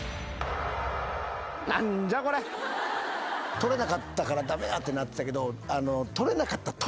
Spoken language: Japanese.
取れなかったから駄目だってなってたけど。